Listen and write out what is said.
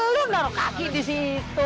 lo taruh kaki di situ